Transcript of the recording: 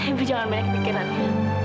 ibu jangan banyak pikir anu